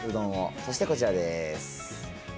そしてこちらです。